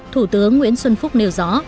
thủ tướng nguyễn xuân phúc nêu rõ